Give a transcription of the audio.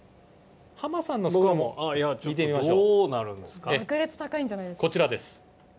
ハマさんのスコアも見てみましょう。